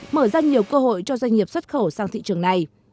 mở ra nhiều cơ hội cho doanh nghiệp xuất khẩu sang thị trường này